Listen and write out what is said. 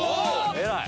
偉い！